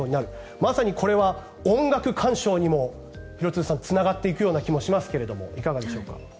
まさにこれは音楽鑑賞にも廣津留さん、つながっていくような気もしますがいかがでしょうか。